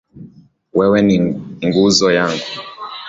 Wewe ni nguzo yangu .